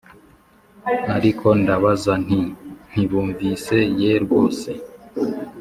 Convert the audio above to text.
Ariko ndabaza nti ntibumvise yee rwose